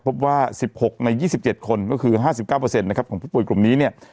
พบว่า๑๖ใน๒๗คนก็คือ๕๙นะครับของผู้ป่วยกลุ่มนี้เนี่ย